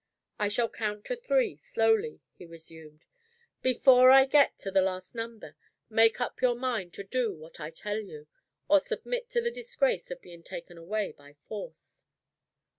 "I shall count three slowly," he resumed. "Before I get to the last number, make up your mind to do what I tell you, or submit to the disgrace of being taken away by force."